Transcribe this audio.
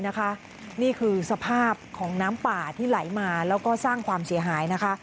นี่คือสภาพของน้ำป่าที่ไหลมาแล้วก็สร้างความเสียหายนะคะ